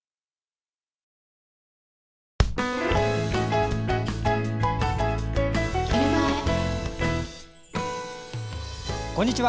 こんにちは。